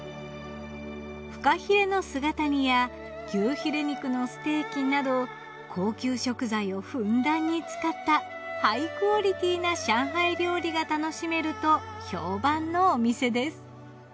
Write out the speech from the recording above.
フカヒレの姿煮や牛ヒレ肉のステーキなど高級食材をふんだんに使ったハイクオリティーな上海料理が楽しめると評判のお店です。